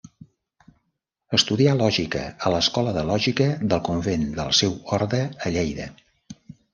Estudià lògica a l'Escola de Lògica del convent del seu orde a Lleida.